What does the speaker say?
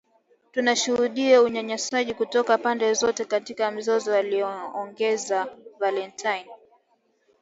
“Tunashuhudia unyanyasaji kutoka pande zote katika mzozo” aliongeza Valentine.